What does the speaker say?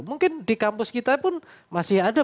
mungkin di kampus kita pun masih ada